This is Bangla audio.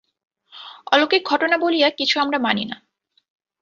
অলৌকিক ঘটনা বলিয়া কিছু আমরা মানি না।